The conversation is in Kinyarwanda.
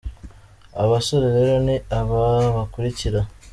Abo basore rero ni aba bakurikira:.